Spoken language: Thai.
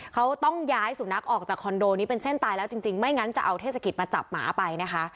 เขาต้องย้ายสุนัขออกจากคอนโดนี้เป็นเส้นตายแล้วจริงไม่งั้นจะเอาเทศกิจมาจับหมาไปนะคะ